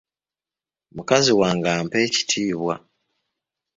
Mukazi wange ampa ekitiibwa.